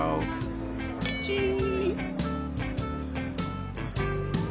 チン。